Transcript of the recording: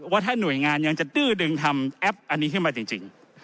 ว่าถ้าหน่วยงานยังจะดื้อดึงทำแอปอันนี้ขึ้นมาจริง